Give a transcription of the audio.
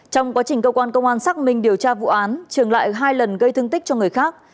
trong quá trình cơ quan công an xác minh điều tra vụ án trường lại hai lần gây thương tích cho người khác